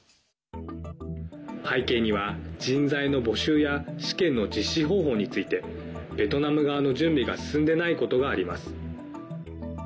背景には人材の募集や試験の実施方法についてベトナム側の準備が進んでないことがあります。